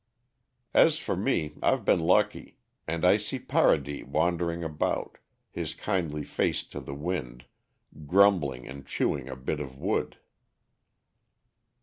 As for me, I've been lucky, and I see Paradis wandering about, his kindly face to the wind, grumbling and chewing a bit of wood.